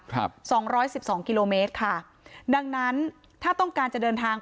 ครับสองร้อยสิบสองกิโลเมตรค่ะดังนั้นถ้าต้องการจะเดินทางไป